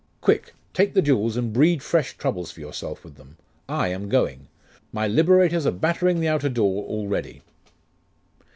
Quick take the jewels, and breed fresh troubles for yourself with them. I am going. My liberators are battering the outer door already.